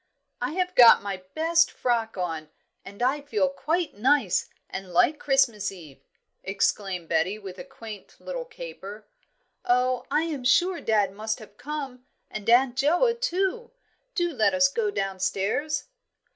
"I have got my best frock on, and I feel quite nice, and like Christmas Eve," exclaimed Betty, with a quaint little caper. "Oh, I am sure dad must have come, and Aunt Joa, too. Do let us go downstairs."